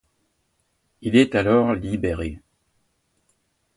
Il est alors libéré.